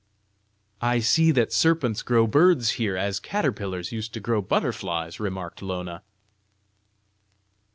"I see that serpents grow birds here, as caterpillars used to grow butterflies!" remarked Lona.